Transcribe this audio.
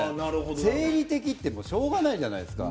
生理的ってもうしょうがないじゃないですか。